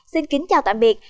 xin kính chào tạm biệt